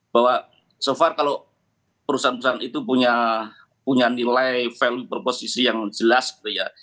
bahwa so far kalau perusahaan perusahaan itu punya nilai value berposisi yang jelas gitu ya